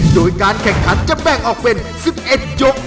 โดยการแข่งขันจะแบ่งออกเป็น๑๑ยก